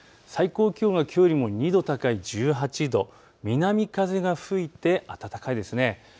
最高気温はきょうよりも２度高い１８度、南風が吹いて暖かいですね。